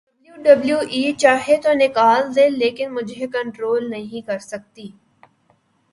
W W E چاہے تو نکال دے لیکن مجھے کنٹرول نہیں کر سکتی